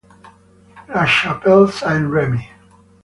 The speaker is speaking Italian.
La Chapelle-Saint-Rémy